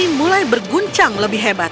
dan bumi mulai berguncang lebih hebat